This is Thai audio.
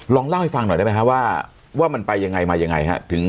ลองเล่าให้ฟังหน่อยได้ไหมฮะว่ามันไปยังไงมายังไงฮะ